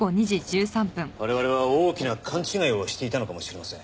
我々は大きな勘違いをしていたのかもしれません。